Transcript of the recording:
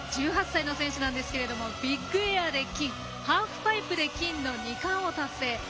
１８歳の選手なんですがビッグエアで金ハーフパイプで金の２冠を達成。